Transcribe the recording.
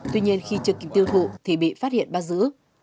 tuy nhiên khi trực kìm tiêu thụ thì bị phát hiện bắt giữ